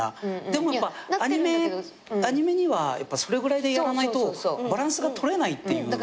でもやっぱアニメにはそれぐらいでやらないとバランスが取れないっていう。